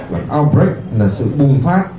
và outbreak là sự bùng phát